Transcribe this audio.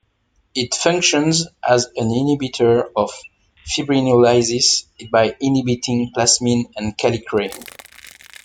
It functions as an inhibitor of fibrinolysis by inhibiting plasmin and kallikrein.